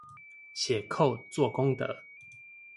寫扣做功德